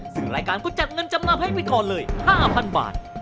ซึ่งรายการก็จัดเงินจำนำให้ไปก่อนเลย๕๐๐บาท